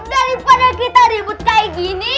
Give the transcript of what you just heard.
daripada kita ribut kayak gini